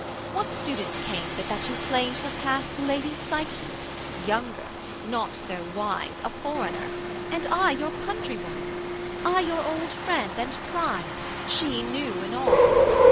What student came but that you planed her path To Lady Psyche, younger, not so wise, A foreigner, and I your countrywoman, I your old friend and tried, she new in all?